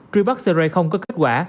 truy bắt seray không có kết quả